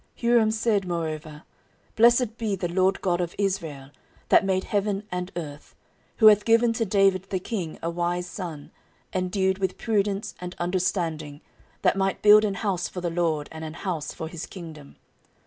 14:002:012 Huram said moreover, Blessed be the LORD God of Israel, that made heaven and earth, who hath given to David the king a wise son, endued with prudence and understanding, that might build an house for the LORD, and an house for his kingdom.